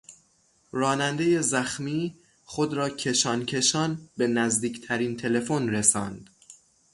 رانندهی زخمی خود را کشانکشان به نزدیکترین تلفن رساند.